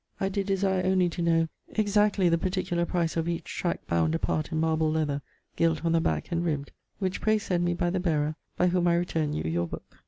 I did desire only to know exactly the particular price of each tract bound apart in marble'd leather, guilt on the backe and ribbed, which pray send me by the bearer by whom I returne you your booke.